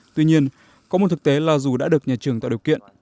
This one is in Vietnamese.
tuy nhiên có một thực tế là dù đã được nhà trường tạo điều kiện